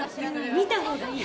・見た方がいい